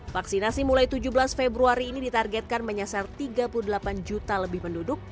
vaksinasi mulai tujuh belas februari ini ditargetkan menyasar tiga puluh delapan juta lebih penduduk